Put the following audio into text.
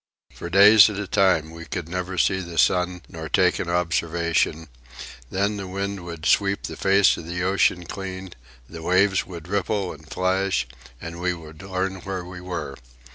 For days at a time we could never see the sun nor take an observation; then the wind would sweep the face of the ocean clean, the waves would ripple and flash, and we would learn where we were.